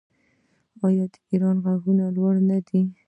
آیا د ایران غرونه لوړ نه دي؟